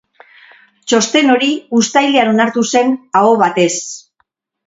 Txosten hori uztailean onartu zen, aho batez.